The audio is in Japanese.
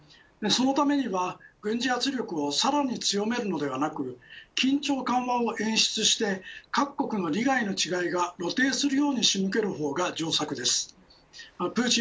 そのためには軍事圧力をさらに強めるのではなく緊張緩和を演出して各国の利害の違いが露呈するように仕向ける方が上策です。